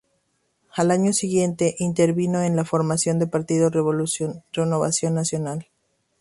Al año siguiente intervino en la formación del Partido Renovación Nacional.